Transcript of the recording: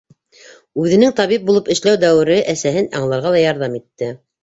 Үҙенең табип булып эшләү дәүере әсәһен аңларға ла ярҙам итте.